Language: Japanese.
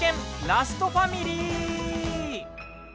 ラストファミリー」。